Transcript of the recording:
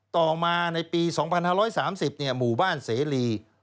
ต่อมาในปี๒๕๓๐หมู่บ้านเสรี